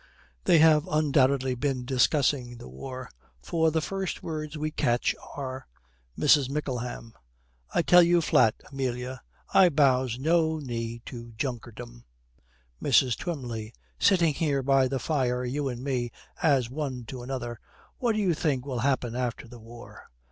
They have undoubtedly been discussing the war, for the first words we catch are: MRS. MICKLEHAM. 'I tell you flat, Amelia, I bows no knee to junkerdom.' MRS. TWYMLEY. 'Sitting here by the fire, you and me, as one to another, what do you think will happen after the war?